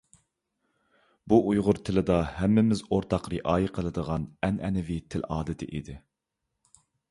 بۇ ئۇيغۇر تىلىدا ھەممىمىز ئورتاق رىئايە قىلىدىغان ئەنئەنىۋى تىل ئادىتى ئىدى.